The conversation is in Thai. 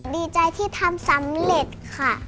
ดีใจที่ทำสำเร็จค่ะ